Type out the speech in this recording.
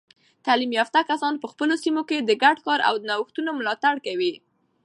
تعلیم یافته کسان په خپلو سیمو کې د ګډ کار او نوښتونو ملاتړ کوي.